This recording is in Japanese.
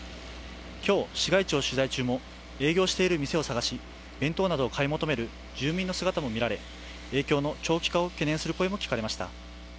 今日市街地を取材中も、営業している店を探し弁当などを買い求める住民の姿もみられ、影響の長期化を懸念する声も聞かれました。